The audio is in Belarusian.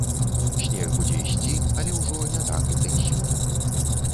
Снег будзе ісці, але ўжо не так інтэнсіўна.